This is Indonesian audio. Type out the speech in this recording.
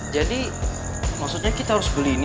jadi maksudnya kita harus beli ini